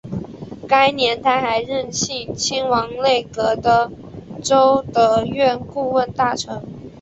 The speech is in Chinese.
该年他还任庆亲王内阁的弼德院顾问大臣。